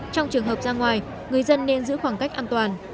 trong trường hợp ra ngoài người dân nên giữ khoảng cách an toàn